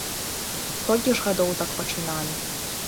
Столькі ж гадоў так пачыналі.